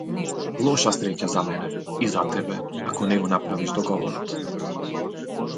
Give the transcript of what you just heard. Лоша среќа за мене и за тебе ако не го направиш договорот.